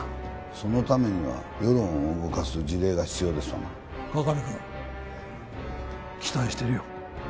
そのためには世論を動かす事例が必要ですわな川上君期待してるよ